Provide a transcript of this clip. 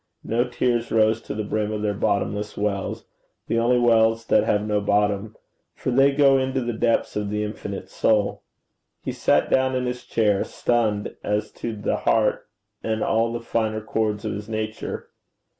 No tears rose to the brim of their bottomless wells the only wells that have no bottom, for they go into the depths of the infinite soul. He sat down in his chair, stunned as to the heart and all the finer chords of his nature.